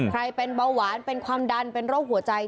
เป็นเบาหวานเป็นความดันเป็นโรคหัวใจ